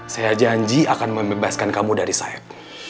saya janji akan membebaskan kamu dari saya